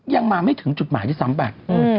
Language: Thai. ยังมาไม่ถึงจุดหมายด้วยซ้ำไป